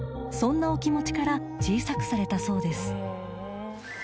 ［そんなお気持ちから小さくされたそうです］